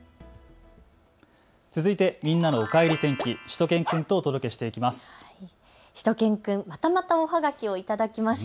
続いてみんなのおかえり天気、しゅと犬くんとお届けしていきます。